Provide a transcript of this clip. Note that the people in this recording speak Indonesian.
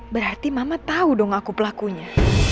berarti mama tahu dong aku pelakunya